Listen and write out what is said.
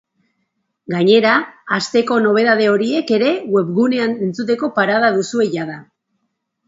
Gainera, asteko nobedade horiek ere webgunean entzuteko parada duzue jada.